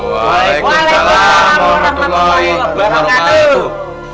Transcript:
waalaikumsalam warahmatullahi wabarakatuh